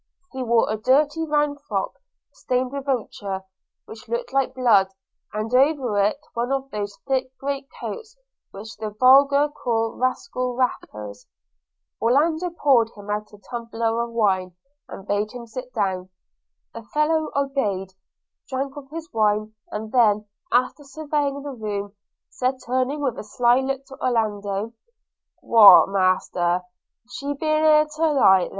He wore a dirty round frock stained with ochre which looked like blood, and over it one of those thick great coats which the vulgar call rascal wrappers. Orlando poured him out a tumbler of wine, and bade him sit down. The fellow obeyed, drank off his wine, and then, after surveying the room, said turning with a sly look to Orlando, 'What, Master, she ben't here then to night?'